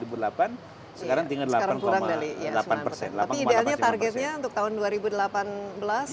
tapi ideanya targetnya untuk tahun dua ribu delapan belas kalau bisa diturunkan lebih